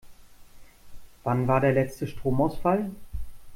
Wann war der letzte Stromausfall?